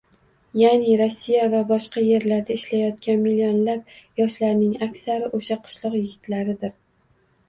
Ya’ni, Rossiya va boshqa yerlarda ishlayotgan millionlab yoshlarning aksari o‘sha – qishloq yigitlaridir.